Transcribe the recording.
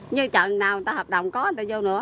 nhưng chẳng nào người ta hợp đồng có người ta vô nữa